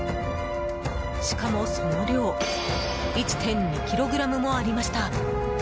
しかもその量１．２ｋｇもありました。